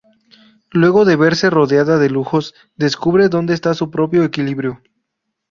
Luego de verse rodeada de lujos, descubre dónde está su propio equilibrio.